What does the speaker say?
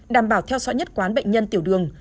đảm bảo theo dõi nhất quán bệnh nhân tiểu đường